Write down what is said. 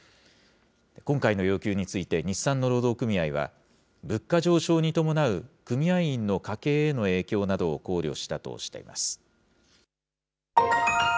今回の要求について日産の労働組合は、物価上昇に伴う組合員の家計への影響などを考慮したといいます。